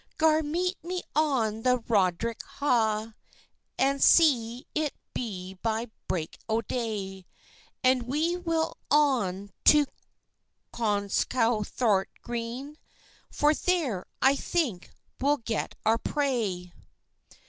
"Gar meet me on the Rodric haugh, And see it be by break o' day; And we will on to Conscowthart Green, For there, I think, we'll get our prey."